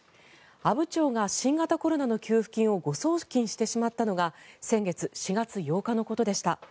阿武町が新型コロナの給付金を誤送金してしまったのが先月、４月８日のことでした。